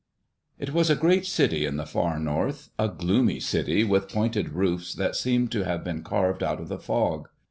It was a great city in the far North, a gloomy city with pointed roofs that seemed to have been carved out of the fog.